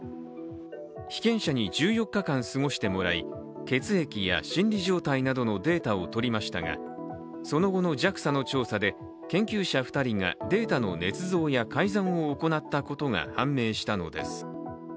被験者に１４日間過ごしてもらい、血液や心理状態などのデータを取りましたが、その後のＪＡＸＡの調査で、研究者２人がデータのねつ造や改ざんを行ったことが判明したのです。